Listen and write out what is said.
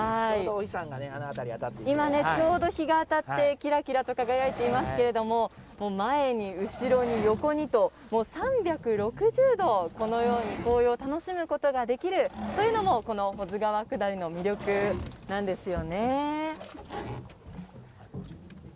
ちょうど日が当たってきらきらと輝いておりますが前に後ろに横にと３６０度、紅葉を楽しむことができるというのもこの保津川下りの魅力なんですよね。